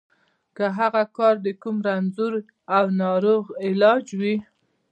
که هغه کار د کوم رنځور او ناروغ علاج وي.